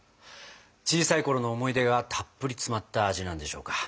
小さいころの思い出がたっぷり詰まった味なんでしょうか。